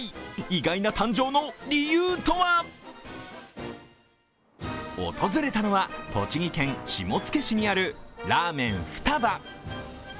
意外な誕生の理由とは訪れたのは栃木県下野市にあるラーメンふたば。